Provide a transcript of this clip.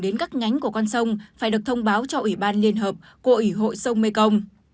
đến các nhánh của con sông phải được thông báo cho ủy ban liên hợp của ủy hội sông mekong